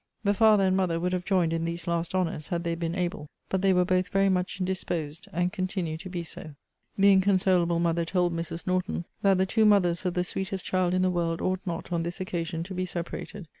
The father and mother would have joined in these last honours, had they been able; but they were both very much indisposed; and continue to be so. The inconsolable mother told Mrs. Norton, that the two mothers of the sweetest child in the world ought not, on this occasion, to be separated.